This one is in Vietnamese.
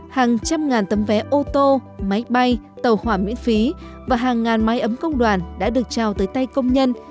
hàng trăm ngàn tấm vé ô tô máy bay tàu hỏa miễn phí và hàng ngàn máy ấm công đoàn đã được trao tới tay công nhân